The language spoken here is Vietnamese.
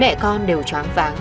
mẹ con đều chóng váng